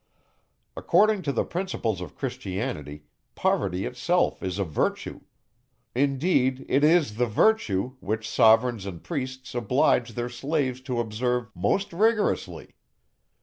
According to the principles of Christianity, poverty itself is a virtue; indeed, it is the virtue, which sovereigns and priests oblige their slaves to observe most rigorously.